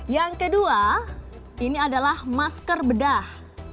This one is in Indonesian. yang kedua ini adalah masker bedah